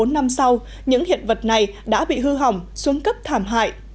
bốn mươi bốn năm sau những hiện vật này đã bị hư hỏng xuống cấp thảm hại